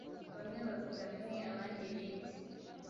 bamwe bavuga bimwe, abandi ibindi: